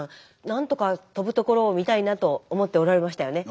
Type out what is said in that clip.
なんとか飛ぶところを見たいなと思っておられましたよね？